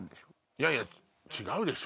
いやいや違うでしょ。